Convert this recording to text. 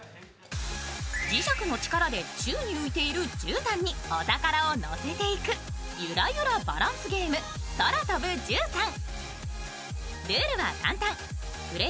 磁石の力で宙に浮いているじゅうたんにお宝を乗せていく「ゆらゆらバランスゲーム空飛ぶじゅうたん」